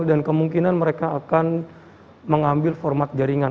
dan kemungkinan mereka akan mengambil format jaringan